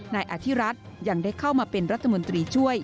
นายอธิรัฐยังได้เข้ามาเป็นรัฐมนตรีช่วย